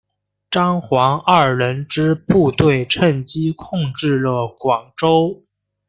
张黄二人之部队趁机控制了广州。